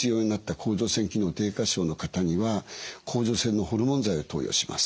甲状腺機能低下症の方には甲状腺のホルモン剤を投与します。